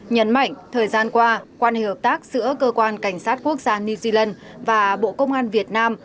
nhấn mạnh thời gian qua quan hệ hợp tác giữa cơ quan cảnh sát quốc gia new zealand và bộ công an việt nam